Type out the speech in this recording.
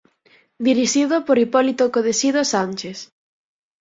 Dirixido por Hipólito Codesido Sánchez.